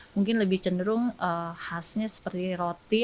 mungkin lebih cenderung khasnya seperti roti